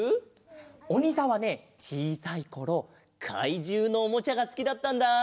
おにいさんはねちいさいころかいじゅうのおもちゃがすきだったんだ。